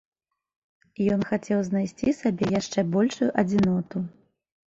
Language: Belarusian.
Ён хацеў знайсці сабе яшчэ большую адзіноту.